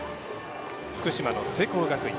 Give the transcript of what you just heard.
福島の聖光学院。